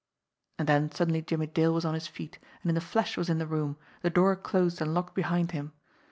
And then suddenly Jimmie Dale was on his feet, and in a flash was in the room, the door closed and locked behind him.